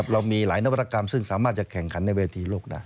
เรามีหลายนวัตกรรมซึ่งสามารถจะแข่งขันในเวทีโลกได้